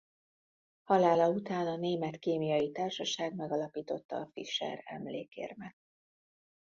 Halála után a Német Kémiai Társaság megalapította a Fischer-emlékérmet.